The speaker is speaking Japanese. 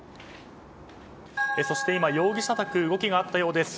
そして今、容疑者宅に動きがあったようです。